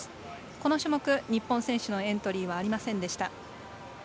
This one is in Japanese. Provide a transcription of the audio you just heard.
この種目、日本選手のエントリーはありませんでした。